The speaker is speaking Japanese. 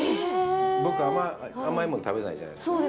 僕、甘いもの食べないじゃないですか。